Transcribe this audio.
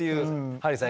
ハリーさん